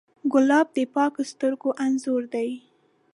ګلاب د پاکو سترګو انځور دی.